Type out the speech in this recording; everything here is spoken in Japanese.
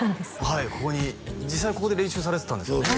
はいここに実際ここで練習されてたんですよね